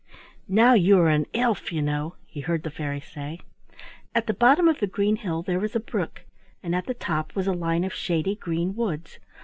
"Now you are an elf, you know," he heard the fairy say. At the bottom of the green hill there was a brook, and at the top was a line of shady green woods.